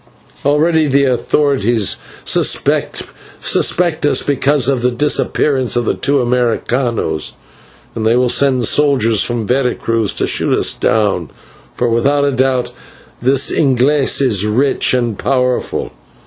Already the authorities suspect us because of the disappearance of the two /Americanos/, and they will send soldiers from Vera Cruz to shoot us down, for without doubt this /Inglese/ is rich and powerful.